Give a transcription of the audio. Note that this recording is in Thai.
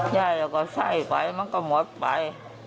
ยายก็ไข่ไปมันก็หมดไป